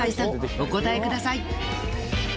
お答えください。